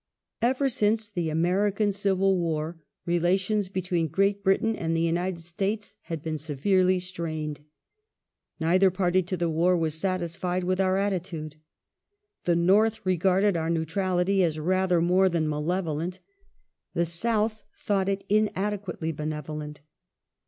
Ever since the American Civil War relations between Great Britain and the United States had been severely strained. Neither party to the war was satisfied with our attitude. The North regarded our neutrality as rather more than malevolent, the South thought it inadequately benevol ent.